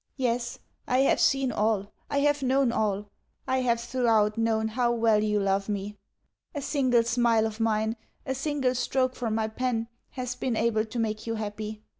Yes, I have seen all, I have known all I have throughout known how well you love me. A single smile of mine, a single stroke from my pen, has been able to make you happy....